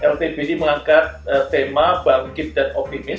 lpi bd mengangkat tema bangkit dan optimis